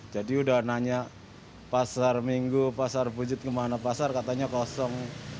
jadi udah nanya pasar minggu pasar pujit kemana pasar katanya kosong